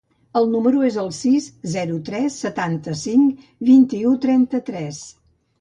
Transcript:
El meu número es el sis, zero, tres, setanta-cinc, vint-i-u, trenta-tres.